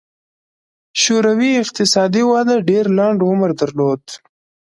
شوروي اقتصادي وده ډېر لنډ عمر درلود.